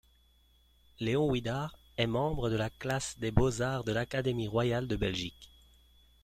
Léon Wuidar est membre de la Classe des Beaux-Arts de l'Académie royale de Belgique.